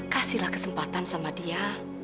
kasihlah kesempatan sama dia